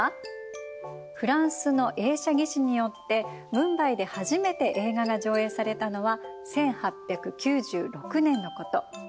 フランスの映写技師によってムンバイで初めて映画が上映されたのは１８９６年のこと。